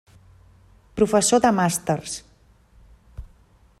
Professor de màsters.